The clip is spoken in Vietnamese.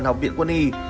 học viện quân y